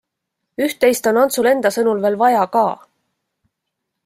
Üht-teist on Antsul enda sõnul veel vaja ka.